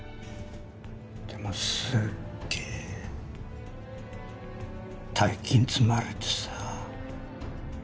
でもすっげえ大金積まれてさ。